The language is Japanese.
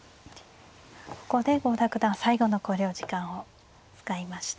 ここで郷田九段最後の考慮時間を使いました。